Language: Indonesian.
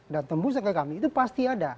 dan tembusan ke kami itu pasti ada